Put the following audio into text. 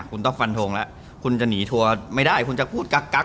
คุณต้องฟันทงแล้วคุณจะหนีทัวร์ไม่ได้คุณจะพูดกั๊ก